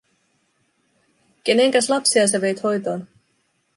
“Kenenkäs lapsia sä veit hoitoon?